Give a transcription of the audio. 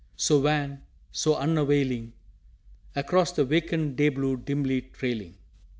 So wan, so unavailing, Across the vacant day blue dimly trailing!